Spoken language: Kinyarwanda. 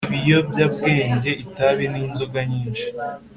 Ibiyobyabwenge itabi n inzoga nyinshi